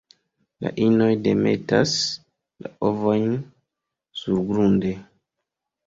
La inoj demetas la ovojn surgrunde.